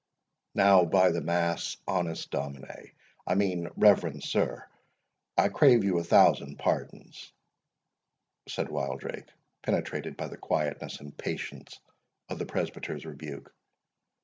"Now, by the mass, honest domine—I mean reverend sir—I crave you a thousand pardons," said Wildrake, penetrated by the quietness and patience of the presbyter's rebuke.